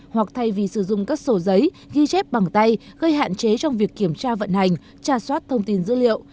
hoặc thay vì sử dụng các sổ giấy ghi chép bằng tay gây hạn chế trong việc kiểm tra vận hành trà soát thông tin dữ liệu